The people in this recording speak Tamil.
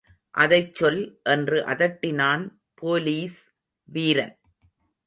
அதைச் சொல் என்று அதட்டினான் போலீஸ் வீரன்.